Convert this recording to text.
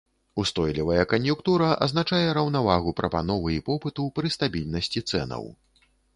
Устойлівая кан'юнктура азначае раўнавагу прапановы і попыту пры стабільнасці цэнаў.